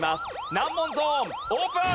難問ゾーンオープン！